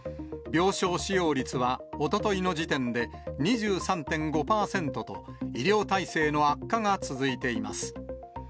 病床使用率はおとといの時点で２３．５％と、医療体制の悪化が続いています。